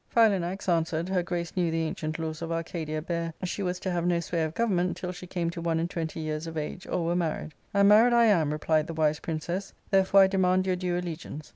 Philanax answered, her grace knew the ancient laws of Arcadia bare she was to have no sway of government till she came to one and twenty years of age, or were married. " And married I am," replied the wise princess ;" therefore I demand your due allegiance."